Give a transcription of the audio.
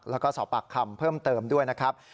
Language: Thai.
แล้วก็สอบปากคำเพิ่มเติมด้วยนะครับ